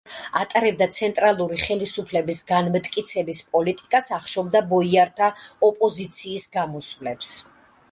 ატარებდა ცენტრალური ხელისუფლების განმტკიცების პოლიტიკას, ახშობდა ბოიართა ოპოზიციის გამოსვლებს.